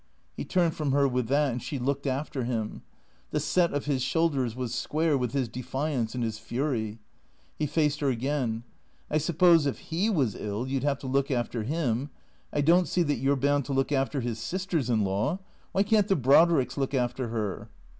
He turned from her with that, and she looked after him. The set of his shoulders was square with his defiance and his fury. He faced her again. "I suppose if he was ill you'd have to look after him. I don't see that you're bound to look after his sisters in law. Why can't the Brodricks look after her